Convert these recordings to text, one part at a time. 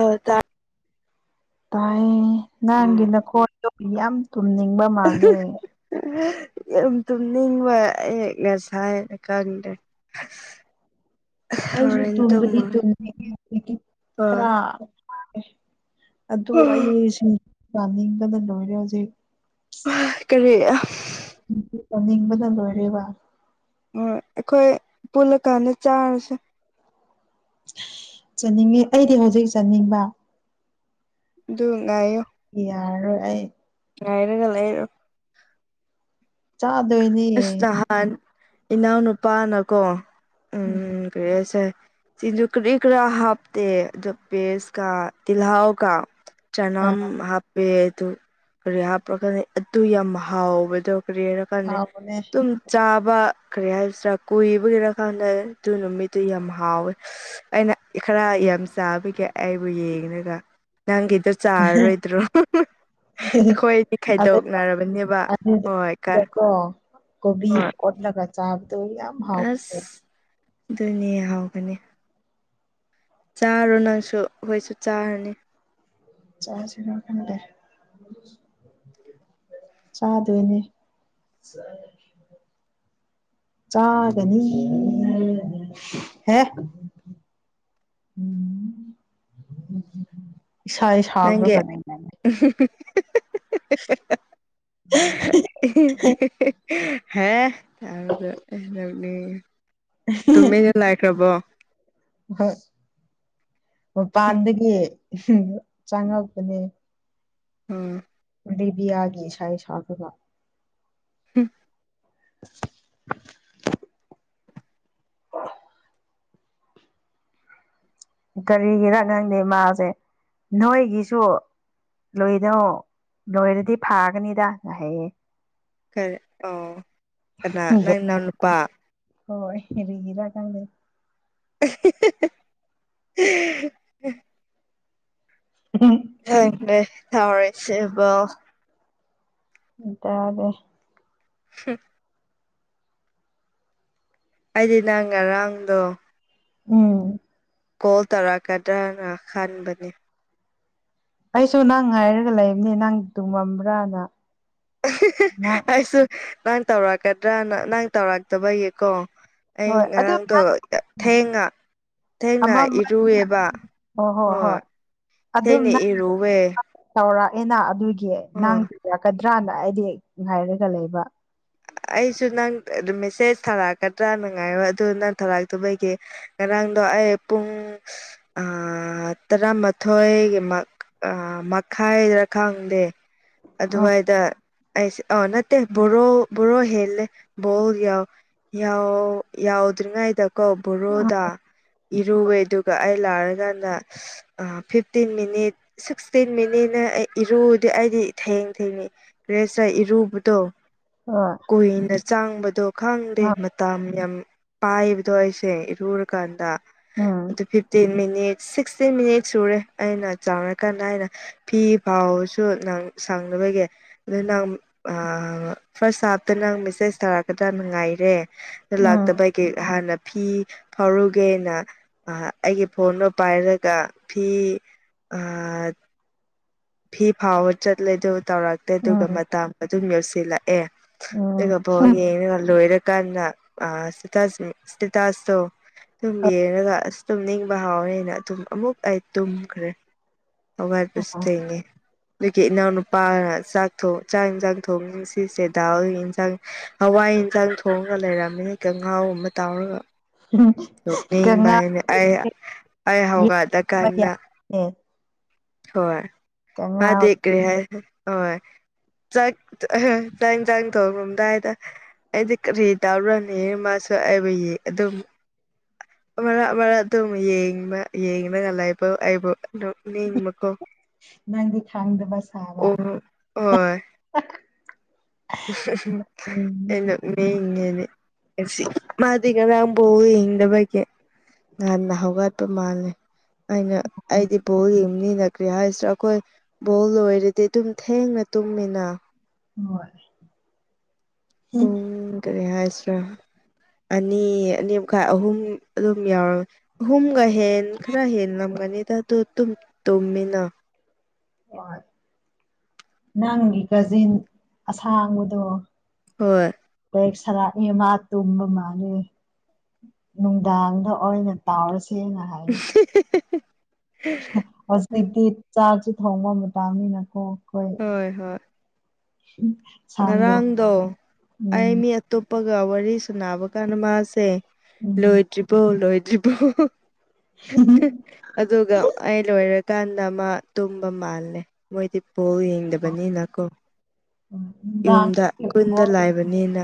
ꯑꯥ ꯇꯥꯏ ꯇꯥꯏ ꯅꯪꯒꯤ ꯑꯣ ꯅꯈꯣꯟꯗꯣ ꯌꯥꯝ ꯇꯨꯝꯅꯤꯡꯕ ꯃꯥꯜꯂꯦ ꯌꯥꯝ ꯇꯨꯝꯅꯤꯡꯕ ꯑꯩ ꯉꯁꯥꯏꯅ ꯈꯪꯗꯦ [inaudible] ꯑꯩꯁꯨ ꯇꯨꯝꯕꯥꯗꯤ ꯇꯨꯝꯃꯒꯦ ꯇꯨꯝꯅꯤꯡꯉꯦ ꯍꯣꯏ ꯈꯔꯥ ꯐꯥꯔꯦ ꯑꯗꯨ ꯑꯩꯁꯤ ꯄꯥꯅꯤꯡꯕꯅ ꯂꯣꯏꯔꯦ ꯍꯧꯖꯤꯛ ꯍꯥ ꯀꯥꯔꯤ ꯂꯥꯏꯔꯤꯛ ꯄꯥꯅꯤꯡꯕꯥꯗ ꯂꯣꯏꯔꯦꯕ ꯍꯣꯏ ꯑꯩꯈꯣꯏ ꯄꯨꯜꯂꯀꯥꯟꯗ ꯆꯥꯔꯁꯦ ꯆꯠꯅꯤꯡꯉꯦ ꯑꯩꯗꯤ ꯍꯧꯖꯤꯛ ꯆꯥꯅꯤꯡꯕ ꯑꯗꯨ ꯉꯥꯏꯌꯣ ꯌꯥꯔꯥꯔꯣꯏ ꯑꯩ ꯉꯥꯏꯔꯒ ꯂꯩꯌꯨ ꯆꯥꯗꯣꯏꯅꯦ ꯑꯁ ꯅꯍꯥꯟ ꯏꯅꯥꯎ ꯅꯨꯄꯥꯅꯀꯣ ꯎꯝ ꯀꯔꯤ ꯍꯥꯏꯁꯤꯔꯥ ꯁꯤꯡꯖꯨ ꯀꯔꯤ ꯀꯔꯥ ꯍꯥꯞꯇꯦ ꯑꯗꯣ ꯄꯦꯁꯀꯥ ꯇꯤꯜꯍꯥꯎꯒꯥ ꯑ ꯆꯅꯝ ꯍꯥꯞꯄꯦ ꯑꯗꯨ ꯀꯔꯤ ꯍꯥꯞꯄ꯭ꯔꯥ ꯈꯪꯗꯦ ꯑꯗꯨ ꯌꯥꯝ ꯍꯥꯎꯕꯥꯗꯨ ꯀꯔꯤꯔꯥ ꯈꯪꯗꯦ ꯍꯥꯎꯕꯅꯦ ꯇꯨꯝ ꯆꯥꯕ ꯀꯔꯤ ꯍꯥꯏꯁꯤꯔꯥ ꯀꯨꯏꯕꯒꯤꯔꯥ ꯈꯪꯁꯦ ꯑꯗꯨ ꯅꯨꯃꯤꯠꯇꯨ ꯌꯥꯝ ꯍꯥꯎꯋꯦ ꯑꯩꯅ ꯈꯔꯥ ꯌꯥꯝ ꯆꯥꯕꯒꯤ ꯑꯩꯕꯨ ꯌꯦꯡꯔꯥꯒ ꯅꯪ ꯆꯥꯔꯥꯔꯣꯏꯣꯗ꯭ꯔꯣ ꯑꯩꯈꯣꯏꯗꯤ ꯑꯗꯨꯒ ꯈꯥꯏꯗꯣꯛꯅꯔꯕꯅꯦꯕ ꯍꯣꯏ ꯀꯔꯥ ꯑꯗꯨꯗꯀꯣ ꯀꯣꯕꯤ ꯀꯦꯠꯂꯒ ꯆꯥꯕꯗꯨ ꯌꯥꯝ ꯍꯥꯎꯋꯦꯀꯦ ꯑꯁ ꯑꯗꯨꯅꯦ ꯍꯥꯎꯕꯥꯅꯦ ꯆꯥꯔꯣ ꯅꯪꯁꯨ ꯑꯈꯣꯏꯁꯨ ꯆꯥꯔꯅꯤ ꯆꯥꯁꯤꯔꯥ ꯈꯪꯗꯦ ꯆꯥꯗꯣꯏꯅꯦ ꯆꯥꯒꯅꯤ ꯍꯦ ꯏꯁꯥꯁꯦ ꯅꯪꯒꯤ ꯁꯛꯔꯥꯒꯥ ꯂꯩꯅꯦ [unintelligible] ꯍꯦ ꯇꯨꯃꯤꯟꯅꯥ ꯂꯩꯈꯔꯥꯕꯣ ꯍꯣꯏ ꯃꯄꯥꯟꯗꯒꯤ ꯆꯪꯉꯛꯄꯅꯦ ꯎꯝ ꯂꯤꯕꯤꯌꯥꯒꯤ ꯏꯁꯩ ꯁꯛꯔꯥꯒꯥ ꯍꯨꯝ [unintelligible] [unintelligible] ꯀꯔꯤꯒꯤꯔ ꯅꯪꯅꯦ ꯃꯥꯁꯦ ꯅꯣꯏꯒꯤꯁꯨ ꯂꯣꯏꯔꯣ ꯂꯣꯏꯔꯗꯤ ꯐꯥꯒꯅꯤꯗꯒꯥ ꯍꯥꯏꯌꯦ ꯀꯔꯤ ꯑꯣ ꯀꯅꯥ ꯅꯪ ꯅꯅꯥꯎ ꯅꯨꯄꯥ ꯍꯣꯏ ꯀꯥꯔꯤꯒꯤꯔꯥ ꯈꯪꯗꯦ [unintelligible] [unintelligible] ꯈꯪꯗꯦ ꯇꯧꯔꯤꯁꯤꯕꯨ [unintelligible] ꯗꯦ ꯍꯝ ꯑꯩꯗꯤ ꯅꯪ ꯉꯔꯥꯡꯗꯣ ꯎꯝ ꯀꯣꯜ ꯇꯧꯔꯛꯀꯗ꯭ꯔꯅ ꯈꯟꯕꯅꯦ ꯑꯩꯁꯨ ꯅꯪ ꯉꯥꯏꯔꯒ ꯂꯩꯕꯅꯤ ꯅꯪ ꯇꯨꯝꯃꯝꯕ꯭ꯔꯥꯅ ꯅꯪ ꯑꯩꯁꯨ ꯅꯪ ꯇꯧꯔꯛꯀꯗ꯭ꯔꯥꯅ ꯅꯪ ꯇꯧꯔꯛꯇꯕꯩꯀꯣ ꯑꯩ ꯍꯣꯏ ꯑꯗꯨ ꯉꯔꯥꯡꯗꯣ ꯅꯪ ꯊꯦꯡꯉ ꯊꯦꯡꯅ ꯑꯃ ꯑꯃ ꯏꯔꯨꯑꯦꯕ ꯍꯣꯏ ꯊꯦꯡꯅ ꯏꯔꯨꯑꯦ ꯇꯧꯔꯥꯛꯑꯦꯅ ꯑꯗꯨꯒꯤ ꯅꯪ ꯇꯧꯔꯛꯀꯗ꯭ꯔꯥꯅ ꯑꯩꯗꯤ ꯉꯥꯏꯔꯒ ꯂꯩꯕ ꯑꯩꯁꯨ ꯅꯪ ꯃꯦꯁꯦꯖ ꯊꯥꯔꯛꯀꯗ꯭ꯔꯥꯅ ꯉꯥꯏꯕ ꯑꯗꯨ ꯅꯪ ꯊꯥꯔꯛꯇꯕꯒꯤ ꯉꯔꯥꯡꯗꯣ ꯑꯩ ꯄꯨꯡ ꯑ ꯇꯔꯥꯃꯥꯊꯣꯏꯒꯤꯃꯛ ꯑ ꯃꯈꯥꯏꯗꯔ ꯈꯪꯗꯦ ꯑ ꯑꯗꯨꯋꯥꯏꯗ ꯑꯩꯁꯦ ꯑ ꯅꯠꯇꯦ ꯕꯥꯔꯣ ꯕꯥꯔꯣ ꯍꯦꯜꯂꯦ ꯕꯣꯜ ꯌꯥꯎ ꯌꯥꯎ ꯌꯥꯎꯗ꯭ꯔꯤꯉꯩꯗ ꯀꯣ ꯕꯥꯔꯣꯗ ꯏꯔꯨꯑꯦ ꯑꯗꯨꯒ ꯑꯩ ꯂꯥꯛꯔꯀꯥꯟꯗ ꯑ ꯐꯤꯐꯇꯤꯟ ꯃꯤꯅꯤꯠ ꯁꯤꯛꯁꯇꯤꯟ ꯃꯤꯅꯤꯠꯅ ꯑꯩ ꯏꯔꯨꯗꯤ ꯑꯩꯗꯤ ꯊꯦꯡ ꯊꯦꯡꯅꯤ ꯔꯦꯁ ꯇ ꯏꯔꯨꯕꯗꯣ ꯍꯣꯏ ꯀꯨꯏꯅ ꯆꯪꯕꯗꯣ ꯈꯪꯗꯦ ꯃꯇꯝ ꯌꯥꯝ ꯄꯥꯏꯕꯗꯣ ꯑꯩꯁꯦ ꯏꯔꯨꯔꯀꯥꯟꯗ ꯎꯝ ꯑꯗꯨ fifteen minute six fifteen minute ꯁꯨꯔꯦ ꯑꯩꯅ ꯆꯥꯎꯔꯀꯥꯟꯗ ꯑꯩꯅ ꯐꯤ ꯐꯧꯕꯁꯨ ꯅꯪ ꯁꯪꯗꯕꯒꯤ ꯑꯗꯨ ꯅꯪ ꯑꯥ ꯐꯥꯔꯁ ꯍꯥꯞꯇ ꯅꯪ ꯃꯦꯁꯦꯁ ꯊꯥꯔꯛꯀꯗ꯭ꯔꯥꯅ ꯉꯥꯏꯔꯦ ꯑꯗꯨ ꯎꯝ ꯂꯥꯛꯇꯕꯩ ꯒꯤ ꯍꯥꯟꯅ ꯐꯤ ꯐꯧꯔꯨꯒꯦꯅ ꯑ ꯑꯩꯒꯤ ꯐꯣꯟꯗꯣ ꯄꯥꯏꯔꯒ ꯐꯤ ꯑ ꯐꯤ ꯐꯧꯕ ꯆꯠꯂꯦ ꯑꯗꯨ ꯇꯧꯔꯛꯇꯦ ꯑꯗꯨꯒ ꯎꯝ ꯃꯇꯝ ꯑꯗꯨꯝ ꯌꯧꯁꯤꯜꯂꯛꯑꯦ ꯎꯝ ꯑꯗꯨꯒ ꯕꯣꯜ ꯌꯦꯉ ꯂꯣꯏꯔꯀꯥꯟꯗ ꯑ ꯢꯁꯇꯦꯇꯁ ꯢꯁꯇꯦꯇꯁꯇꯨ ꯑꯗꯨꯝ ꯌꯦꯡꯉꯒ ꯑꯁ ꯇꯨꯝꯅꯤꯡꯕ ꯍꯥꯎꯋꯦꯅꯦ ꯑꯗꯨꯝ ꯑꯃꯨꯛ ꯑꯩ ꯇꯨꯝꯈ꯭ꯔꯦ ꯍꯧꯒꯛꯄꯁꯨ ꯊꯦꯡꯉꯦ ꯑꯗꯨꯒꯤ ꯏꯅꯥꯎꯅꯨꯄꯥꯅ ꯆꯥꯛ ꯊꯣꯡ ꯆꯥꯛ ꯌꯦꯟꯁꯥꯡ ꯊꯣꯡ ꯁꯤꯁꯦ ꯗꯥꯎꯒꯤ ꯌꯦꯟꯁꯥꯡ ꯍꯋꯥꯏ ꯌꯦꯟꯁꯥꯡ ꯊꯣꯡꯉꯒ ꯂꯩꯔꯝꯃꯦ ꯀꯥꯡꯍꯧ ꯑꯃ ꯇꯧꯔꯒ ꯅꯣꯛꯅꯤꯡꯕ ꯀꯪꯉꯥ ꯑꯩꯅ ꯑꯩ ꯑꯩ ꯍꯧꯒꯠꯂ ꯀꯥꯟꯗ ꯑꯣ ꯍꯣꯏ ꯃꯥꯗꯤ ꯀ꯭ꯔꯤ ꯍꯥꯏ ꯍꯣꯏ ꯆꯥꯛ ꯆꯥꯛ ꯌꯦꯟꯁꯥꯡ ꯊꯣꯡꯉꯝꯗꯥꯏꯗ ꯑꯩꯗꯤ ꯀꯔꯤ ꯇꯧꯔꯅꯤ ꯃꯥꯁꯨ ꯑꯩꯕꯨ ꯌꯦꯡ ꯑꯗꯨꯝ ꯑꯃꯔꯛ ꯑꯃꯔꯛ ꯑꯗꯨꯝ ꯌꯦꯡꯕ ꯌꯦꯡꯂꯒ ꯂꯩꯕ ꯑꯩꯕꯨ ꯅꯣꯛꯅꯤꯡꯕ ꯅꯪꯗꯤ ꯈꯪꯗꯕ ꯁꯥꯕ ꯑꯣ ꯍꯣꯏ ꯑꯩ ꯎꯝ ꯅꯣꯛꯅꯤꯡꯉꯤꯅꯦ ꯉꯁꯤ ꯃꯥꯗꯤ ꯉꯥꯔꯡ ꯕꯣꯜ ꯌꯦꯡꯗꯕꯒꯤ ꯉꯥꯟꯅ ꯍꯧꯒꯠꯄ ꯃꯥꯜꯂꯦ ꯑꯩꯅ ꯑꯩꯗꯤ ꯕꯣꯜ ꯌꯦꯡ ꯃꯤꯅ ꯀ꯭ꯔꯤ ꯍꯥꯏꯁꯤꯔ ꯑꯩꯈꯣꯏ ꯕꯣꯜ ꯂꯣꯏꯔꯗꯤ ꯑꯗꯨꯝ ꯊꯦꯡꯅ ꯇꯨꯝꯃꯤꯅ ꯍꯣꯏ ꯄꯨꯡ [unintelligible] ꯀꯔꯤ ꯍꯥꯏꯁꯤꯔꯥ ꯑꯅꯤ ꯑꯅꯤ ꯃꯈꯥꯏ ꯑꯍꯨꯝ ꯑꯗꯨꯝ ꯌꯧꯔ ꯑꯍꯨꯝꯒ ꯍꯦꯟ ꯈꯔ ꯍꯦꯟꯂꯝꯒꯅꯤꯗ ꯑꯗꯨ ꯇꯨꯝ ꯇꯨꯝꯃꯤꯅ ꯅꯪꯒꯤ ꯀꯖꯤꯟ ꯑꯁꯥꯡꯕꯗꯣ ꯍꯣꯏ [unintelligible] ꯅꯨꯡꯗꯥꯡꯗ ꯑꯣꯏꯅ ꯇꯥꯎꯔꯁꯦꯅ ꯍꯥꯏꯌꯦ [unintelligible] ꯍꯧꯖꯤꯛꯇꯤ ꯆꯥꯛꯁꯤ ꯊꯣꯡꯕ ꯃꯇꯝꯅꯤꯅꯀꯣ ꯑꯩꯈꯣꯏ ꯍꯣꯏ ꯍꯣꯏ ꯎꯝ ꯁꯥꯡꯗꯧ ꯉꯔꯥꯡꯗꯣ ꯃꯥꯜꯂꯦ ꯑꯩ ꯃꯤ ꯑꯇꯣꯞꯄꯒ ꯋꯥꯔꯤ ꯁꯅꯕ ꯀꯥꯟꯗ ꯃꯥꯁꯦ ꯎꯝ ꯂꯣꯏꯗ꯭ꯔꯤꯕꯣ ꯂꯣꯏꯗ꯭ꯔꯤꯕꯣ ꯑꯗꯨꯒ ꯑꯩ ꯂ‌ꯣꯏꯔ‌ꯦ ꯀꯥꯟꯗ ꯑꯃ ꯇꯨꯝꯕ ꯃꯥꯜꯂꯦ ꯃꯣꯏꯗꯤ ꯕ‌ꯣꯜ ꯌꯦꯡꯗꯕꯅꯤꯅꯀꯣ ꯎꯝ ꯌꯨꯝꯗ ꯀꯨꯟꯗ ꯂꯥꯏꯕꯅꯤꯅ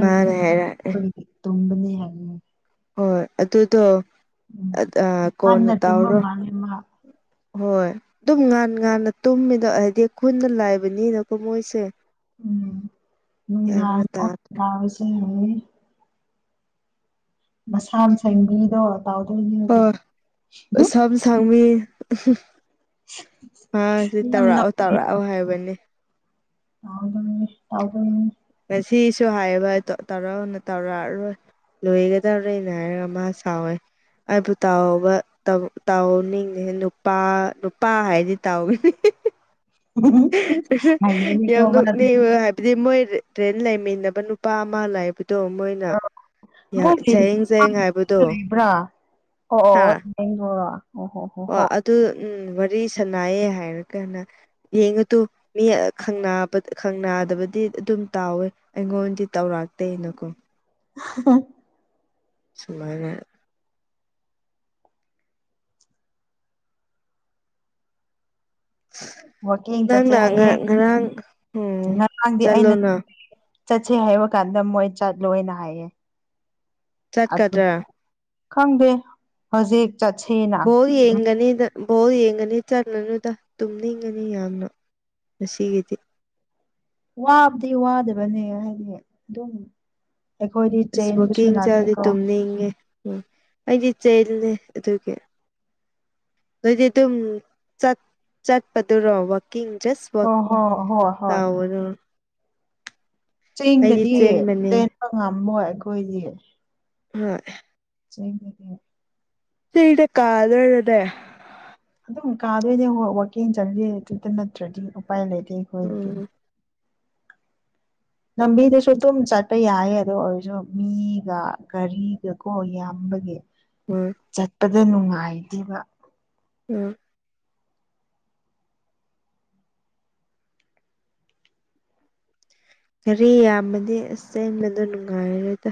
ꯃꯥꯅ ꯍꯥꯏꯔꯛꯑꯦ ꯇꯨꯝꯕꯅꯦ ꯍꯥꯏ ꯍꯣꯏ ꯑꯗꯨꯗꯣ ꯎꯝ ꯀꯣꯟꯅ ꯍꯥꯟꯅ ꯇꯨꯝꯕ ꯇꯧꯔꯣ ꯃꯥꯜꯂꯦ ꯃꯥ ꯍꯣꯏ ꯑꯗꯨꯝ ꯉꯥꯟ ꯉꯥꯟꯅ ꯇꯨꯝꯃꯤꯗꯣ ꯍꯥꯏꯗꯤ ꯈꯨꯟꯅ ꯂꯥꯏꯕꯅꯤꯅꯀꯣ ꯃꯣꯏꯁꯦ ꯎꯝ [unintelligible] ꯒ꯭ꯌꯥꯟꯒ ꯇꯥꯗꯦ ꯅꯅꯨꯡꯗꯥꯁꯅꯤ ꯃꯁꯥ ꯃꯁꯥꯒꯤ ꯃꯤꯗꯣ [unintelligible] ꯑ ꯁꯝ ꯁꯥꯡꯃꯤ ꯃꯥ ꯁꯤ ꯌꯥꯝ ꯇꯧꯔꯛꯑꯣ ꯇꯧꯔꯛꯑꯣ ꯍꯥꯏꯕꯅꯤ ꯇꯕꯨ ꯇꯥꯎꯕꯨ [unintelligible] ꯁꯤꯁꯨ ꯍꯥꯏꯌꯦꯕ ꯇꯧꯔꯅ ꯇꯧꯔꯛꯑꯔꯣꯏ ꯂꯣꯏꯒꯗꯧꯔꯦꯅ ꯍꯥꯏꯔꯒ ꯃꯥ ꯁꯥꯎꯋꯦ ꯑꯩꯕꯨ ꯇꯥꯎꯕ ꯇꯥꯎꯅꯤꯡꯉꯦ ꯅꯨꯄꯥ ꯅꯨꯄꯥ ꯍꯥꯏꯗꯤ ꯇꯥꯎꯒꯅꯤ [unintelligible] [unintelligible] ꯍꯩꯕꯅꯤꯀꯣ ꯌꯥꯝ ꯃꯥꯗꯤ ꯅꯣꯛꯅꯤꯡ ꯍꯥꯏ ꯗꯤ ꯃꯣꯏ ꯇ꯭ꯔꯦꯟ ꯂꯩꯃꯤꯟꯅꯕ ꯅꯨꯄꯥ ꯑꯃ ꯂꯩꯥꯕꯗꯣ ꯃꯣꯏꯅ ꯃꯣꯏ ꯆꯌꯦꯡ ꯆꯌꯦꯡ ꯍꯥꯏꯕꯗꯣ ꯂꯩꯕ꯭ꯔꯥ ꯑꯣ ꯑꯣ ꯑꯣ ꯍꯥ [unintelligible] ꯍꯣ ꯍꯣ ꯑꯣ ꯍꯣ ꯑꯗꯨ ꯎꯝ ꯋꯥꯔꯤ ꯁꯅꯥꯌꯦ ꯍꯥꯏꯔꯒꯅ ꯌꯦꯡꯉꯨꯇꯨ ꯃꯤ ꯈꯪ ꯅꯥꯗꯕꯗꯤ ꯑꯗꯨꯝ ꯇꯥꯎꯋꯦ ꯑꯩꯉꯣꯟꯗꯤ ꯇꯧꯔꯇꯦꯅꯀꯣ ꯎ [unintelligible] ꯁꯨꯃꯥꯏꯅ ꯋꯀꯤꯡ ꯆꯠꯁꯦ ꯅꯪꯅ ꯉ ꯍꯥꯏꯌꯦ ꯉꯔꯥꯡ ꯎꯝ ꯉꯔꯥꯡꯗꯤ ꯑꯩꯅ ꯆꯠꯂꯣꯅ ꯆꯠꯁꯦ ꯍꯥꯏꯕ ꯀꯥꯟꯗ ꯃꯣꯏ ꯆꯠꯂꯣꯏꯅ ꯍꯥꯏꯌꯦ ꯑꯗꯨ ꯆꯠꯀꯗ꯭ꯔꯥ ꯈꯪꯗꯦ ꯍꯧꯖꯤꯛ ꯆꯠꯁ‌ꯦ ꯕ‌ꯣꯜ ꯌꯦꯡꯒꯅꯤꯗ ꯕ‌ꯣꯜ ꯌꯦꯡꯒꯅꯤ ꯆꯠꯂꯨꯅꯨꯗ ꯇꯨꯝꯅꯤꯡꯒꯅꯤ ꯌꯥꯝꯅ ꯃꯁꯤꯒꯤꯗꯤ ꯋꯥꯕꯗꯤ ꯋꯥꯗꯕꯅꯦ ꯍꯥꯏꯗꯤ ꯑꯗꯨꯝ ꯑꯩꯈꯣꯏꯗꯤ ꯆꯦꯟꯕꯁꯨ ꯏꯁꯃꯣꯀꯤꯡ ꯆꯥꯗꯤ ꯅꯠꯇꯦꯀꯣ ꯇꯨꯝꯅꯤꯡꯉꯦ ꯎ ꯑꯩꯗꯤ ꯆꯂꯦ ꯑꯗꯨꯒꯤ ꯑꯗꯨꯗꯤ ꯑꯗꯨꯝ ꯆꯠꯄꯗꯨꯔꯣ ꯋꯥꯛꯀꯤꯡ ꯖꯁ ꯊꯕꯛ ꯍꯣꯏ ꯍꯣꯏ ꯍꯣꯏ ꯍꯣꯏ ꯇꯧꯕꯗꯨ ꯆꯦꯡꯗꯗꯤ ꯆꯦꯟꯕ ꯉꯝꯃꯣꯏ ꯑꯩꯈꯣꯏꯗꯤ ꯍꯣꯏ ꯆꯩ ꯂꯩꯗꯤ [unintelligible] ꯆꯤꯗ ꯀꯥꯗꯔꯗꯦ ꯑꯗꯨꯝ ꯀꯥꯗꯣꯏꯅꯦ ꯋꯥꯀꯤꯡ [unintelligible] ꯆꯪꯗꯗꯨꯗ ꯅꯠꯇ꯭ꯔꯗꯤ ꯎꯄꯥꯏ ꯂꯩꯇꯦ ꯑꯩꯈꯣꯏ ꯑꯗꯨꯗꯤ ꯎꯝ [unintelligible] ꯂꯝꯕꯤꯗꯁꯨ ꯑꯗꯨꯝ ꯆꯠꯄ ꯌꯥꯏꯌꯦ ꯑꯗꯨ ꯑꯣꯏꯔꯁꯨ ꯃꯤꯒ ꯒꯥꯔꯤꯒ ꯀꯣ ꯌꯥꯝꯕꯒꯤ [unintelligible] ꯆꯠꯄꯗꯨ ꯅꯨꯡꯉꯥꯏꯇꯦꯕ ꯎꯝ ꯒꯔꯤ ꯌꯥꯝꯃꯗꯤ ꯑꯁ ꯆꯦꯟꯕꯗꯣ ꯅꯨꯡꯉꯥꯏꯔꯔꯣꯏꯗ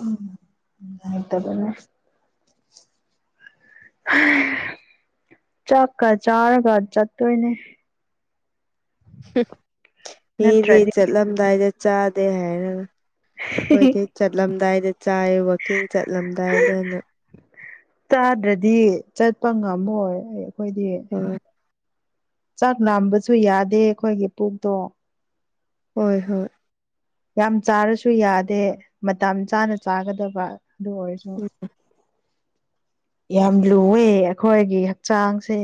ꯎꯝ ꯅꯨꯉꯥꯏ ꯇꯕꯅꯦ [unintelligible] ꯆꯥꯛꯀ ꯆꯥꯔꯒ ꯆꯠꯇꯣꯏꯅꯦ [unintelligible] ꯃꯤꯗꯤ ꯅꯠꯇ꯭ꯔꯗꯤ ꯆꯠꯂꯝꯗꯥꯏꯗ ꯆꯥꯗꯦ ꯍꯥꯏꯔꯒ [unintelligible] ꯆꯠꯂꯝꯗꯥꯏꯗ ꯆꯥꯏ ꯋꯥꯛꯀꯤꯡ ꯆꯠꯂꯝꯗꯥꯏꯗꯅ ꯇꯥꯗ꯭ꯔꯗꯤ ꯆꯠꯄ ꯉꯝꯃꯣꯏ ꯑꯩꯈꯣꯏꯗꯤ ꯍꯣꯏ ꯆꯥꯛ ꯅꯥꯝꯕꯁꯨ ꯌꯥꯗꯦ ꯑꯩꯈꯣꯏꯒꯤ ꯄꯨꯛꯇꯣ ꯍꯣꯏ ꯍꯣꯏ ꯌꯥꯝ ꯆꯥꯔꯁꯨ ꯌꯥꯗꯦ ꯃꯇꯝ ꯆꯥꯅ ꯆꯥꯒꯗꯕ ꯑꯗꯨ ꯑꯣꯏꯔꯁꯨ ꯌꯥꯝ ꯂꯨꯏꯋꯦ ꯑꯩꯈꯣꯏꯒꯤ ꯍꯛꯆꯥꯡꯁꯦ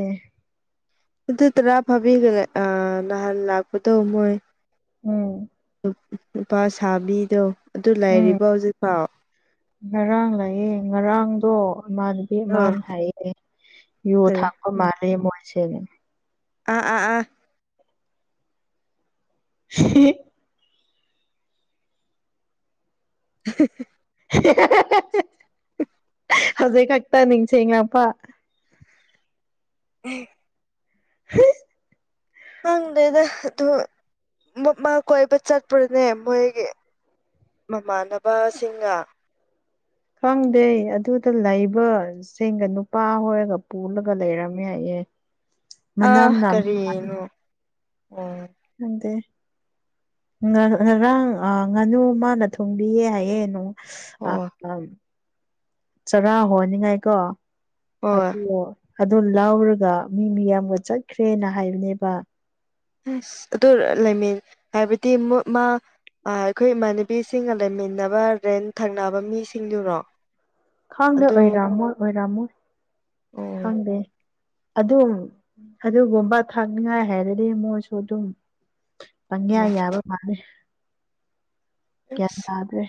ꯑꯗꯨ ꯇꯔꯥ ꯐꯥꯕꯤꯈ꯭ꯔꯦ ꯅꯍꯥꯟ ꯂꯥꯛꯄꯗꯣ ꯃꯣꯏ ꯎꯝ ꯅꯨꯄꯥ ꯁꯥꯕꯤꯗꯣ ꯑꯗꯨ ꯎꯝ ꯂꯩꯔꯤꯕꯣ ꯍꯧꯖꯤꯛꯐꯥꯎ ꯉꯔꯥꯡ ꯂꯩꯌꯦ ꯉꯔꯥꯡꯗꯣ ꯏꯃꯥꯟ [unintelligible] ꯑꯥ ꯃꯥꯅ ꯍꯥꯏꯌꯦ ꯌꯨ ꯀꯔꯤ ꯊꯥꯛꯄ ꯎꯝ ꯃꯥꯜꯂꯦ ꯃꯣꯏꯁꯦꯅꯦ ꯑꯥ ꯑꯥ ꯑꯥ [unintelligible] [unintelligible] [unintelligible] ꯍꯧꯖꯤꯛ ꯈꯛꯇ ꯅꯤꯡꯁ ꯉꯥꯄꯥ [unintelligible] [unintelligible] ꯈꯪꯗꯦꯗ ꯑꯗꯨ ꯃꯃꯥ ꯀꯣꯏꯕ ꯆꯠꯄ꯭ꯔꯣꯅꯦ ꯃꯣꯏꯒꯤ ꯃꯃꯥꯟꯅꯕ ꯁꯤꯡꯒ ꯈꯪꯗꯦ ꯑꯗꯨꯗ ꯂꯩꯕ ꯆꯦꯡꯒ ꯅꯨꯄꯥ ꯍꯣꯏꯒ ꯄꯨꯜꯂꯒ ꯂꯩꯔꯝꯃꯦ ꯍꯥꯏꯌꯦ ꯑ ꯃꯅꯝ ꯅꯝ ꯀꯔꯤꯅꯨ ꯑꯣ ꯅꯪꯗꯤ ꯉꯔꯥꯡ ꯉꯥꯅꯨ ꯃꯥꯅ ꯊꯣꯡꯕꯤꯌꯦ ꯍꯥꯏꯌꯦ ꯅꯨ ꯑ ꯑꯣ ꯆꯔꯥ ꯍꯣꯟꯅꯤꯡꯉꯥꯏꯀꯣ ꯍꯣꯏ ꯑꯗꯨ ꯑꯗꯨ ꯂꯥꯎꯔꯒ ꯃꯤ ꯃꯤꯌꯥꯝꯒ ꯆꯠꯈ꯭ꯔꯦꯅ ꯍꯥꯏꯕꯅꯦꯕ ꯑꯁ ꯑꯗꯨ ꯂꯩꯃꯤꯟ ꯍꯥꯏꯕꯗꯤ ꯃꯥ ꯑ ꯑꯩꯈꯣꯏ ꯏꯃꯥꯟꯅꯕꯤꯁꯤꯡꯒ ꯂꯩꯃꯤꯟꯅꯕ ꯔꯦꯟ ꯊꯪꯅꯕ ꯃꯤꯁꯤꯡꯗꯨꯔꯣ ꯈꯪꯗꯦ ꯑꯗꯨ ꯑꯣꯏꯔꯝꯃꯣꯏ ꯑꯣꯏꯔꯝꯃꯣꯏ ꯈꯥꯡꯗꯦ ꯑꯗꯨꯝ ꯑꯗꯨꯒꯨꯝꯕ ꯊꯥꯛꯅꯤꯉꯥꯏ ꯍꯥꯏꯔꯗꯤ ꯃꯣꯏꯁꯨ ꯑꯗꯨꯝ ꯄꯪꯌꯥ ꯌꯥꯕ ꯃꯥꯥꯂꯦ ꯒ꯭ꯌꯥꯟ ꯇꯥꯗ꯭ꯔꯦ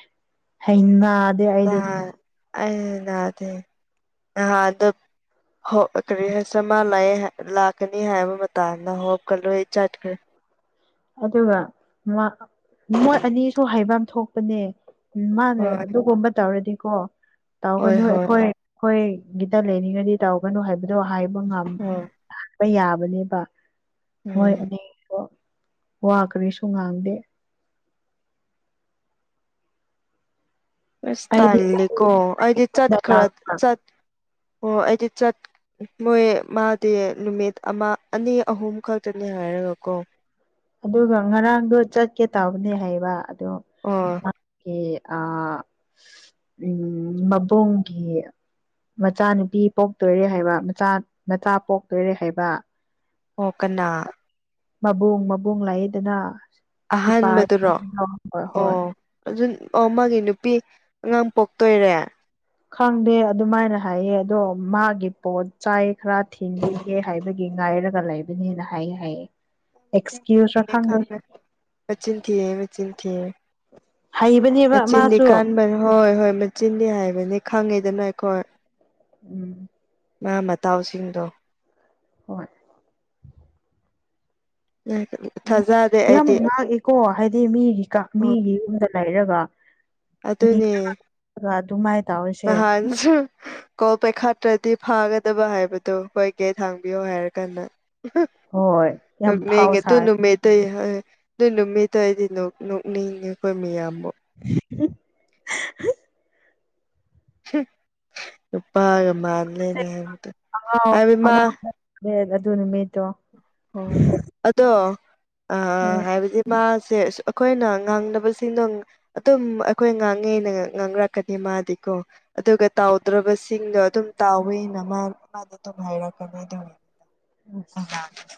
ꯍꯩꯅꯗ [unintelligible] [unintelligible] ꯂꯥꯛꯀꯅꯤ ꯍꯥꯏꯕ ꯃꯇꯥꯡꯅ ꯍꯣꯞ ꯀ ꯂꯣꯏ ꯆꯠꯈ꯭ꯔꯦ ꯑꯗꯨꯒ ꯃ ꯃꯣꯏ ꯑꯅꯤꯁꯨ ꯍꯩꯐꯝ ꯊꯣꯛꯄꯅꯦ ꯎꯝ ꯃꯥꯅ ꯍꯣꯏ ꯑꯗꯨꯒꯨꯝꯕ ꯇꯧꯔꯗꯤꯀꯣ ꯍꯣꯏ ꯇꯧꯒꯅꯨ ꯍꯣꯏ ꯑꯩꯈꯣꯏ ꯍꯣꯏ ꯒꯤꯗ ꯂꯩꯅꯤꯡꯉꯗꯤ ꯇꯧꯒꯅꯨ ꯍꯥꯏꯕꯗꯣ ꯍꯥꯏꯕ ꯉꯝꯃꯤ ꯍꯣꯏ ꯍꯥꯞꯄ ꯌꯥꯕꯅꯦꯕ ꯃꯣꯏ ꯎꯝ ꯑꯅꯤ ꯋꯥ ꯀꯔꯤꯁꯨ ꯉꯥꯡꯗꯦ ꯑꯁ ꯑꯩꯗꯤ ꯇꯜꯂꯤꯦꯀꯣ ꯑꯩꯗꯤ ꯌꯨꯝꯗ ꯆꯠꯈꯔ ꯂꯥꯛꯄ ꯆꯠ ꯑꯣ ꯑꯩꯗꯤ ꯆꯠ ꯃꯣꯏ ꯃꯥꯗꯤ ꯅꯨꯃꯤꯠ ꯑꯃ ꯑꯅꯤ ꯑꯍꯨꯝ ꯈꯛꯇꯅꯤ ꯍꯥꯏꯔꯒꯀꯣ ꯑꯗꯨꯒ ꯉꯔꯥꯡꯗꯣ ꯆꯠꯀꯦ ꯇꯥꯕꯅꯦ ꯍꯩꯕ ꯑꯗꯣ ꯑꯣ ꯃꯥꯒꯤ ꯑꯥ ꯎꯝ ꯃꯕꯨꯡꯒꯤ ꯃꯆꯥ ꯅꯨꯨꯄꯤ ꯄꯣꯛꯇꯣꯏꯔꯦ ꯍꯥꯏꯕ ꯃꯆꯥ ꯃꯆꯥ ꯄꯣꯛꯇꯣꯏꯔꯦ ꯍꯥꯏꯕ ꯑꯣ ꯀꯅꯥ ꯃꯕꯨꯡ ꯃꯕꯨꯡ ꯂꯥꯏꯏꯗꯅ ꯁꯤ ꯄꯥꯔ ꯑꯍꯥꯟꯕꯗꯨꯔꯣ ꯌꯥꯎꯔꯝ ꯍꯣꯏ ꯍꯣꯏ ꯑꯣ ꯑꯗꯨ ꯑꯣ ꯃꯥꯒꯤ ꯅꯨꯄꯤ ꯑꯉꯥꯡ ꯄꯣꯛꯇꯣꯏꯔꯦ ꯈꯪꯗꯦ ꯑꯗꯨꯃꯥꯏꯅ ꯍꯥꯏꯌꯦ ꯑꯗꯣ ꯃꯥꯒꯤ ꯄꯣꯠ ꯆꯥꯏ ꯈꯔ ꯊꯤꯟꯈꯤ ꯍꯥꯏꯕꯒꯤ ꯉꯥꯏꯔꯒ ꯂꯩꯕꯅꯦꯅ ꯍꯥꯏꯌꯦ ꯍꯥꯏꯌꯦ ꯑꯦꯛꯁꯀ꯭ꯌꯨꯁꯔ ꯈꯪꯗꯦ [unintelligible] ꯍꯩꯕꯅꯦꯕ ꯃꯆꯤꯟꯗꯤ ꯃꯥꯁꯨ ꯀꯥꯟꯕꯅꯤ ꯍꯣꯏ ꯍꯣꯏ ꯃꯆꯤꯟꯗꯤ ꯍꯥꯏꯕꯅꯤ ꯈꯪꯉꯤꯗꯅ ꯑꯩꯈꯣꯏ ꯎꯝ ꯃꯥ ꯃꯇꯥꯎꯁꯤꯡꯗꯣ ꯍꯣꯏ [unintelligible] ꯎ ꯌꯥꯝ ꯑꯩꯗꯤ ꯉꯥꯛꯑꯦꯀꯣ ꯍꯥꯏꯗꯤ ꯃꯤꯒꯤ ꯑꯣ ꯃꯤꯒꯤ ꯌꯨꯝꯗ ꯂꯩꯔꯒ ꯑꯗꯨꯅꯦ [unintelligible] ꯑꯗꯨꯃꯥꯏ ꯇꯧꯏꯁꯦ [unintelligible] ꯀꯣꯜ ꯄꯩꯈꯥꯠꯇ꯭ꯔꯗꯤ ꯐꯥꯒꯗꯕ ꯍꯥꯏꯕꯗꯨꯣ ꯍꯣꯏꯒꯦ ꯊꯥꯡꯕꯤꯌꯣ ꯍꯥꯏꯔ ꯀꯥꯟꯗ ꯍꯣꯏ ꯌꯥꯝ ꯐꯥꯎ ꯁꯥꯔꯦ [unintelligible] ꯑꯇꯩ ꯍꯥꯏ ꯑꯗꯨ ꯅꯨꯃꯤꯠꯇ ꯑꯩꯗꯤ ꯅꯣꯛꯅꯤꯡꯉꯦ ꯑꯩꯈꯣꯏ ꯃꯌꯥꯝꯕꯨ [unintelligible] ꯅꯨꯄꯥꯒ ꯃꯥꯥꯟꯂꯦꯅꯦ ꯍꯥꯏꯇ ꯑꯉꯥꯎ ꯑꯉꯥꯎ ꯑꯗꯨ ꯅꯨꯃꯤꯠꯇꯣ ꯑꯣ ꯑꯗꯣ ꯑꯥ ꯍꯥꯏꯕꯗꯤ ꯃꯥꯁꯦ ꯑꯩꯈꯣꯏꯅ ꯉꯥꯡꯅꯕꯁꯤꯡꯗ ꯑꯗꯨꯝ ꯑꯩꯈꯣꯏ ꯉꯥꯡꯉꯦꯅ ꯉꯥꯡꯅꯔꯛꯀꯅꯤ ꯃꯥꯗꯤꯀꯣ ꯑꯗꯨꯒ ꯇꯥꯎꯗ꯭ꯔꯕꯁꯤꯡꯗꯣ ꯑꯗꯨꯝ ꯇꯥꯎꯋꯦꯅ ꯃꯥ ꯃꯥꯗ ꯑꯁ [unintelligible]